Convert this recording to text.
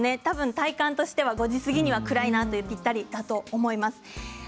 体感としては５時過ぎには暗いというのがぴったりだと思います。